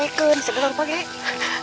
tidak ada yang berani